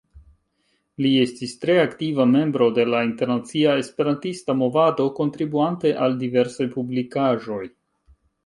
Li estis tre aktiva membro de la internacia esperantista movado, kontribuante al diversaj publikaĵoj.